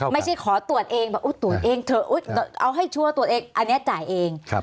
ไม่ใช่ขอตรวจเองเอาให้ชั่วตรวจเองอันเนี่ยจ่ายเอง